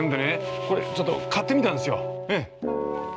これちょっと買ってみたんですよ。